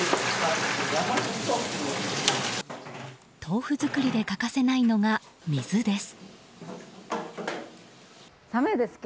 豆腐作りで欠かせないのが水です。